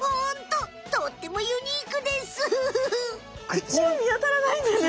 とってもユニークです！